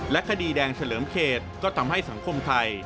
คดีแดงเฉลิมเขตก็ทำให้สังคมไทย